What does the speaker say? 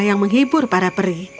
yang menghibur para peri